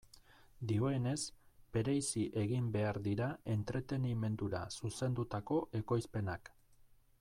Dioenez, bereizi egin behar dira entretenimendura zuzendutako ekoizpenak.